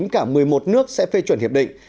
cả một mươi một nước sẽ phê chuẩn hiệp định